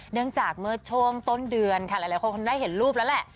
เนื่องจากเมื่อช่วงต้นเดือนค่ะหลายคนคงได้เห็นรูปแล้วแหละ